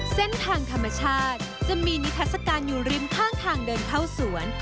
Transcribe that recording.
เส้นทางธรรมชาติจะมีนิทัศกาลอยู่ริมข้างทางเดินเข้าสวน